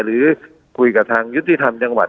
หรือคุยกับทางยุติธรรมจังหวัด